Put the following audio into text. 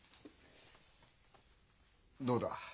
どうだ？